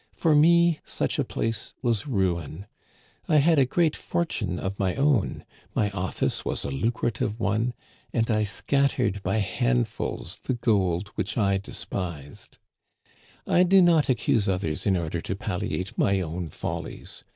For me such a place was ruin. I had a great fortune of my own, my office was ^ lucrative one, and I scattered by handfuls the gold which I de spised. Digitized by VjOOQIC THE GOOD gentleman:' 145 " I do not accuse others in order to palliate my own follies.